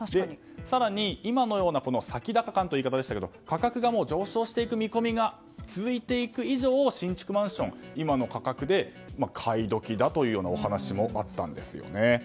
更に今のような先高観という言い方でしたが価格が上昇していく見込みが続いていく以上新築マンションは今の価格で買い時だというようなお話もあったんですね。